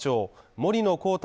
森野広太